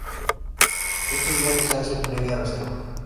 Estos viajes se hacen previa reserva.